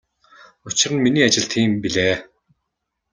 Учир нь миний ажил тийм билээ.